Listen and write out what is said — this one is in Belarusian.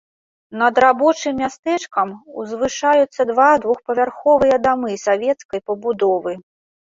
Над рабочым мястэчкам узвышаюцца два двухпавярховыя дамы савецкай пабудовы.